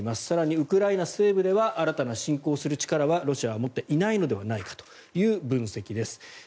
更にウクライナ西部では新たな侵攻する力はロシアは持っていないのではないかという分析です。